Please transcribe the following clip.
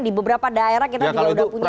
di beberapa daerah kita juga sudah punya